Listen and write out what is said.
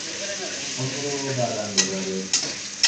ئەمڕۆ، باران دەبارێت.